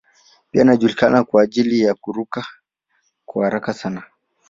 Pia anajulikana kwa ajili ya kuruka kwa haraka sana.